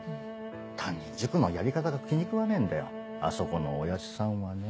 単に塾のやり方が気に食わねえんだよあそこの親父さんはね。